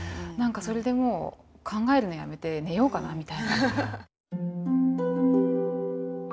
何かそれでもう考えるのやめて寝ようかなみたいな。